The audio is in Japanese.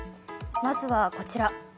まずはこちら。